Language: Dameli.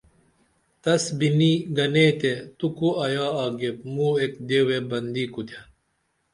تس بینی گنے تے تو کو ایا آگیپ مو ایک دیوے بندی کوتھے